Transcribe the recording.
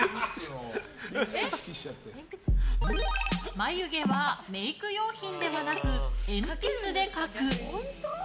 眉毛はメイク用品ではなく鉛筆で描く。